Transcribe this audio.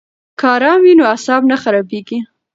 که آرام وي نو اعصاب نه خرابیږي.